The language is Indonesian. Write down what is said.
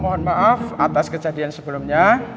mohon maaf atas kejadian sebelumnya